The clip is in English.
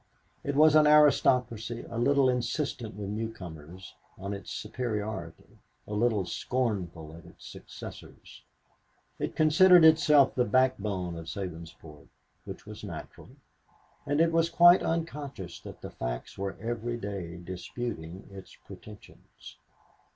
It was an aristocracy a little insistent with newcomers on its superiority, a little scornful of its successors. It considered itself the backbone of Sabinsport, which was natural; and it was quite unconscious that the facts were every day disputing its pretensions.